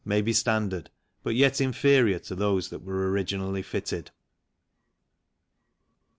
may be standard but yet inferior to those that were originally fitted.